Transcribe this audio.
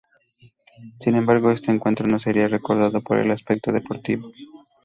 Sin embargo, este encuentro no sería recordado por el aspecto deportivo.